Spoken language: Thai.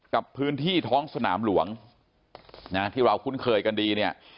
กับพื้นที่ท้องสนามหลวงนะที่เราคุ้นเคยกันดีเนี่ย